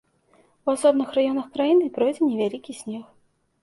У асобных раёнах краіны пройдзе невялікі снег.